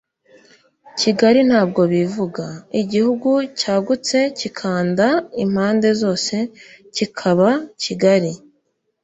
Kigali nabyo bivuga “Igihugu cyagutse kikanda impande zose kikaba kigali”